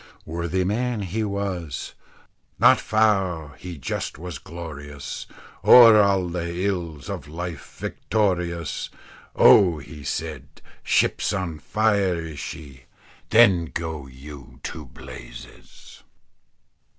Worthy man, he was "Not fou, he just was glorious, O'er a' the ills of life victorious." "Oh!" he said; "ship's on fire, is she. Then go you to blazes."